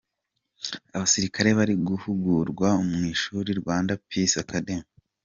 Abasirikare bari guhugurwa mu ishuri Rwanda peace Academy.